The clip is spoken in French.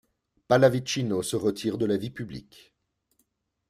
Pallavicino se retire de la vie publique.